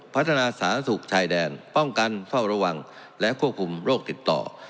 พัฒนาสาธารณสุขชายแดนป้องกันเฝ้าระวังและควบคุมโรคติดต่อ